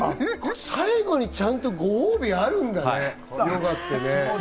最後にちゃんとご褒美があるんだね、ヨガって。